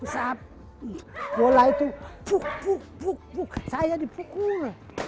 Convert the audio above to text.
saat bola itu buk buk buk buk saya dipukul